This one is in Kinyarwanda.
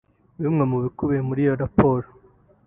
Bimwe mu bikubiye muri iyo raporo